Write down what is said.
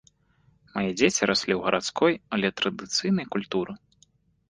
Мае дзеці раслі ў гарадской, але традыцыйнай культуры.